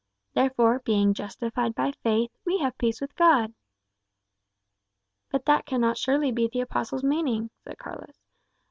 Therefore, being justified by faith, we have peace with God." "But that cannot surely be the apostle's meaning," said Carlos.